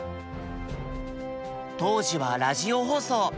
当時はラジオ放送。